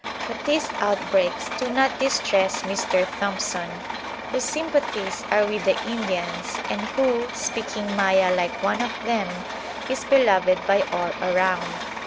But these outbreaks do not distress Mr. Thompson, whose sympathies are with the Indians, and who, speaking Maya like one of them, is beloved by all around.